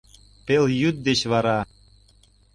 ПЕЛЙӰД ДЕЧ ВАРА